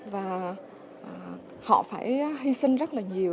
và họ phải hy sinh rất là nhiều